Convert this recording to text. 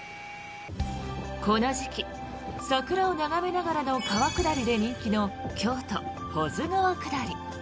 この時期、桜を眺めながらの川下りで人気の京都・保津川下り。